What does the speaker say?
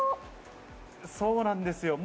そうなんですよ。